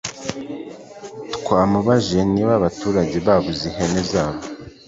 Twamubajije niba abaturage babuze ihene zabo